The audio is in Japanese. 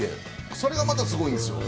それがまたすごいんですよ。